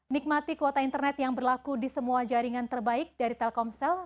nikmati kuota internet yang berlaku di semua jaringan terbaik dari telkomsel